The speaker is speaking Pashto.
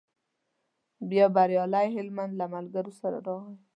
بیا بریالی هلمند له ملګرو سره راغی.